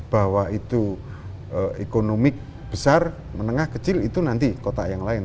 bahwa itu ekonomi besar menengah kecil itu nanti kota yang lain